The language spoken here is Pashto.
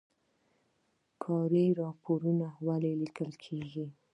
کاري راپور ولې لیکل کیږي؟